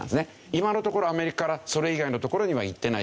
今のところアメリカからそれ以外のところには行ってないし